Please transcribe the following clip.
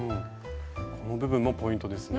この部分もポイントですね。